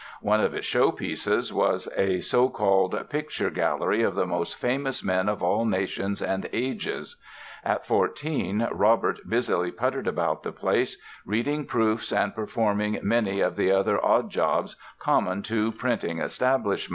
One of its showpieces was a so called "Picture Gallery of the Most Famous Men of all Nations and Ages". At 14 Robert busily puttered around the place, reading proofs and performing many of the other odd jobs common to printing establishments.